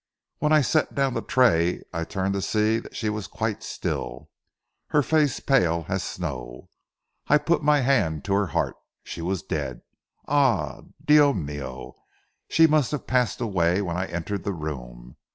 When I set down the tray I turned to see that she was quite still, her face pale as snow. I put my hand to her heart. She was dead. Ah Dio mio, she must have passed away when I entered the room.